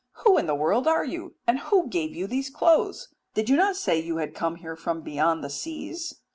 Who in the world are you? And who gave you those clothes? Did you not say you had come here from beyond the seas?"